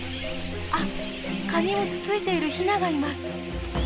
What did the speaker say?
あっカニをつついているヒナがいます。